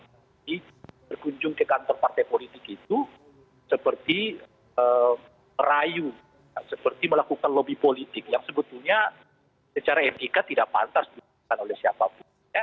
jadi berkunjung ke kantor partai politik itu seperti merayu seperti melakukan lobby politik yang sebetulnya secara etika tidak pantas diperlukan oleh siapapun ya